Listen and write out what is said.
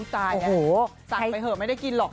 อุ๊ยตายสั่งไปเหอะไม่ได้กินหรอก